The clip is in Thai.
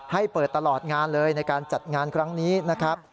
ให้เปิดตลอดงานเลยในการจัดงานครั้งนี้นะครับ